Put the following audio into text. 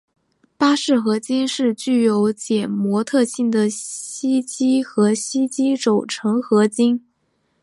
巴氏合金是具有减摩特性的锡基和铅基轴承合金。